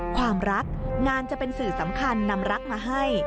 ความรักงานจะเป็นสื่อสำคัญนำรักมาให้